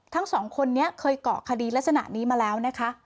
ทั้งสองคนนี้เคยเกาะคดีลักษณะนี้มาแล้วนะคะ